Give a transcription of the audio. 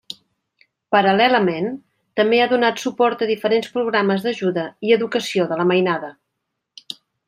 Paral·lelament també ha donat suport a diferents programes d'ajuda i educació de la mainada.